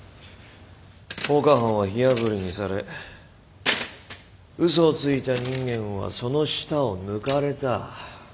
放火犯は火あぶりにされ嘘をついた人間はその舌を抜かれた。